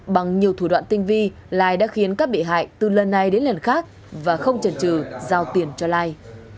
bằng nhiều thủ đoạn tinh vi lai đã khiến các bị hại từ lần này đến lần khác và không trần trừ giao tiền cho lai